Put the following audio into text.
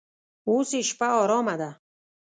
اوس یې شپه ارامه ده.